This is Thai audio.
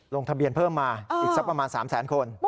ลงทะเบียนเพิ่มมาอีกสักประมาณ๓แสนคน